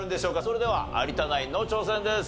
それでは有田ナインの挑戦です。